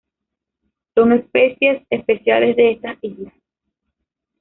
Son especies especiales de estas islas.